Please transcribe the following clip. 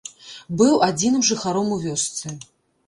Быў адзіным жыхаром у вёсцы.